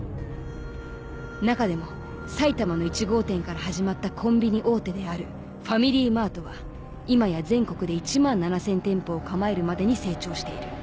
中でも埼玉の１号店から始まったコンビニ大手であるファミリーマートは今や全国で１万７，０００店舗を構えるまでに成長している。